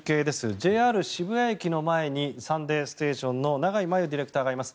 ＪＲ渋谷駅の前に「サンデーステーション」の永井麻由ディレクターがいます。